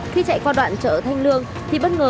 khi chạy qua đoạn chợ thanh lương thì bất ngờ